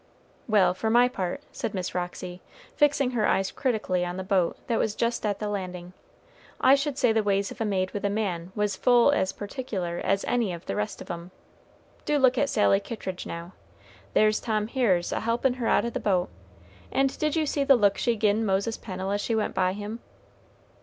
"Well, for my part," said Miss Roxy, fixing her eyes critically on the boat that was just at the landing, "I should say the ways of a maid with a man was full as particular as any of the rest of 'em. Do look at Sally Kittridge now. There's Tom Hiers a helpin' her out of the boat; and did you see the look she gin Moses Pennel as she went by him?